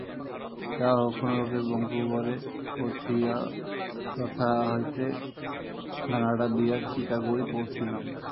যাহা হউক, কোনরূপে বঙ্কুবরে পৌঁছিয়া তথা হইতে কানাডা দিয়া চিকাগোয় পৌঁছিলাম।